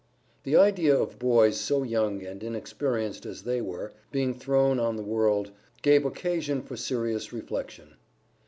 The idea of boys, so young and inexperienced as they were, being thrown on the world, gave occasion for serious reflection.